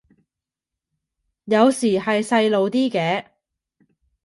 有時係細路啲嘅